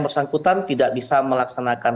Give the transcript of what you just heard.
bersangkutan tidak bisa melaksanakan